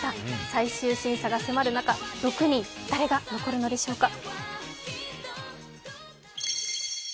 最終審査が迫る中、６人、誰が残るのでしょうか。